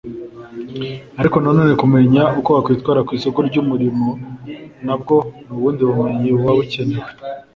ariko na none kumenya uko wakwitwara ku isoko ry’umurimo nabwo ni ubundi bumenyi buba bukenewe